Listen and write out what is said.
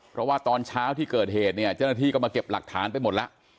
เพราะว่าตอนเช้าที่เกิดเหตุเนี่ยเจ้าหน้าที่ก็มาเก็บหลักฐานไปหมดแล้ว